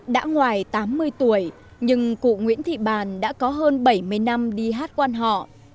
đã ngoài tám mươi tuổi nhưng cụ nguyễn thị bàn đã có hơn bảy mươi năm đi hát quan họ